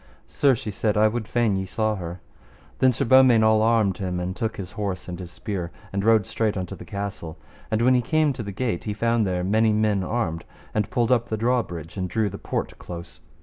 Sir, she said, I would fain ye saw her. Then Sir Beaumains all armed him, and took his horse and his spear, and rode straight unto the castle. And when he came to the gate he found there many men armed, and pulled up the drawbridge and drew the port close.